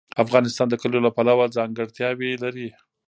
افغانستان د کلیو له پلوه ځانګړتیاوې لري.